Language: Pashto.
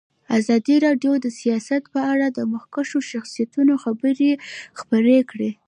ازادي راډیو د سیاست په اړه د مخکښو شخصیتونو خبرې خپرې کړي.